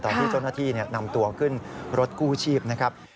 ตอนที่เจ้าหน้าที่นำตัวขึ้นรถกู้ชีพนะครับ